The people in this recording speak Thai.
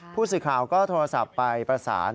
ผู้สื่อข่าวก็โทรศัพท์ไปประสาน